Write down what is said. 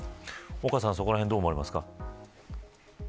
岡さん、そこらへんどう思いますか。